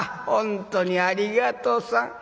本当にありがとさん。